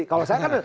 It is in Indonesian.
kalau saya kan